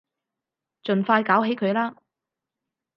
盡快搞起佢啦